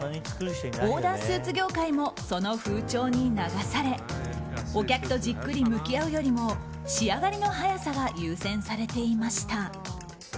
オーダースーツ業界もその風潮に流されお客とじっくり向き合うよりも仕上がりの早さが優先されていました。